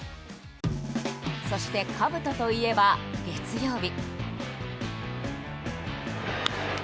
そして、かぶとといえば月曜日。